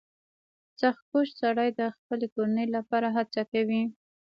• سختکوش سړی د خپلې کورنۍ لپاره هڅه کوي.